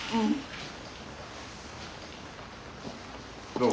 どう？